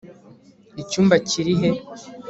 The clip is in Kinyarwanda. icyumba kiri he